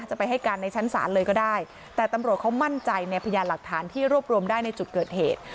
จะไปให้การในชั้นศาลเลยก็ได้แต่ตำรวจเขามั่นใจในพยานหลักฐานที่รวบรวมได้ในจุดเกิดเหตุ